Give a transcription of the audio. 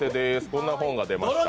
こんな本が出ました。